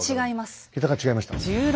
桁が違いましたか。